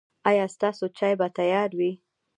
ایا ستاسو چای به تیار وي؟